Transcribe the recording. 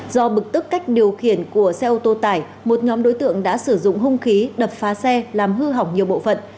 do bực tức cách điều khiển của xe ô tô tải một nhóm đối tượng đã sử dụng hung khí đập phá xe làm hư hỏng nhiều bộ phận